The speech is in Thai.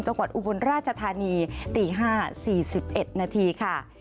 จังหวัดอุบลราชธานีตี๕นาที๔๑นาทีค่ะ